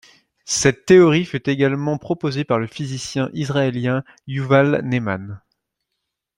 Cette théorie fut également proposée par le physicien israélien Yuval Ne'eman.